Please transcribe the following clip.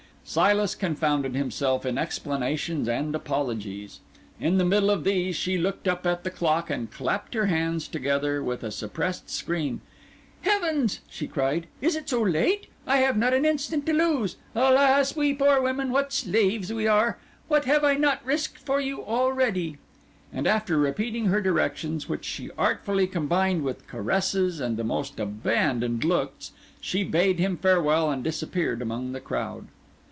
Silas confounded himself in explanations and apologies; in the middle of these she looked up at the clock and clapped her hands together with a suppressed scream. "Heavens!" she cried, "is it so late? I have not an instant to lose. Alas, we poor women, what slaves we are! What have I not risked for you already?" And after repeating her directions, which she artfully combined with caresses and the most abandoned looks, she bade him farewell and disappeared among the crowd.